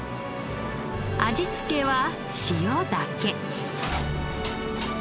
味付けは塩だけ。